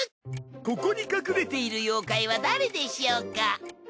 ここに隠れている妖怪は誰でしょうか？